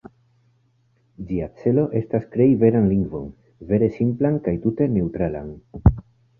Ĝia celo estas krei veran lingvon, vere simplan kaj tute neŭtralan.